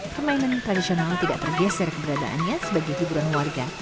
permainan tradisional tidak tergeser keberadaannya sebagai hiburan warga